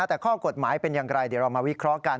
แต่ข้อกฎหมายเป็นอย่างไรเดี๋ยวเรามาวิเคราะห์กัน